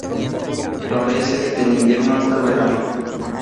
Florece desde el invierno hasta el verano.